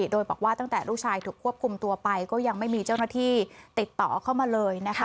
โดยบอกว่าตั้งแต่ลูกชายถูกควบคุมตัวไปก็ยังไม่มีเจ้าหน้าที่ติดต่อเข้ามาเลยนะคะ